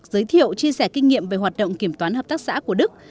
giới thiệu chia sẻ kinh nghiệm về hoạt động kiểm toán hợp tác xã của đức